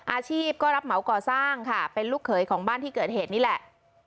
อาชีพก็รับเหมาก่อสร้างค่ะเป็นลูกเขยของบ้านที่เกิดเหตุนี่แหละ